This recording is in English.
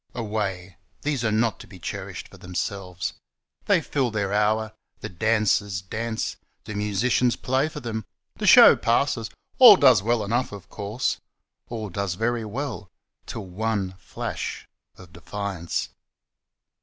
Away! these are not to be cherish'd for themselves, They fill their hour, the dancers dance, the musicians play for them, The show passes, all does well enough of course, All does very well till one flash of defiance.